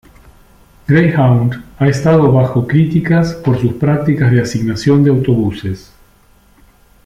Greyhound ha estado bajo críticas por sus prácticas de asignación de autobuses.